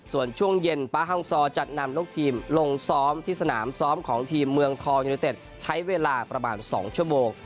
ส่วนช่วงเย็นป๊าฮังซอจะนำลูกทีมลงซ้อมที่สนามซ้อมของทีมเมืองทองยูนิเต็ดใช้เวลาประมาณ๒ชั่วโมง